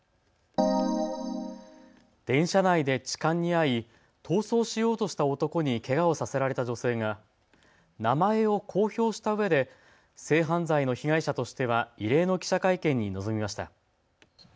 電車内で痴漢に遭い逃走しようとした男にけがをさせられた女性が名前を公表したうえで性犯罪の被害者としては異例の記者会見に臨みました。